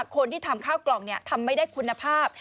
คนที่ทำข้าวกล่องทำไม่ได้คุณภาพ